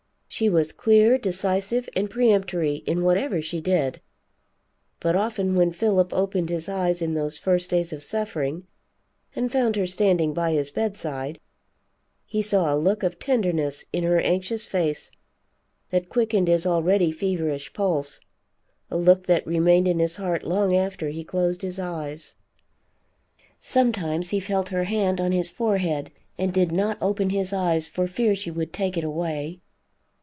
She was clear, decisive and peremptory in whatever she did; but often when Philip opened his eyes in those first days of suffering and found her standing by his bedside, he saw a look of tenderness in her anxious face that quickened his already feverish pulse, a look that remained in his heart long after he closed his eyes. Sometimes he felt her hand on his forehead, and did not open his eyes for fear she would take it away.